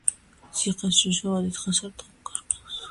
ციხეს მნიშვნელობა დიდხანს არ დაუკარგავს.